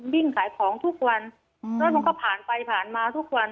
วิ่งขายของทุกวันแล้วมันก็ผ่านไปผ่านมาทุกวัน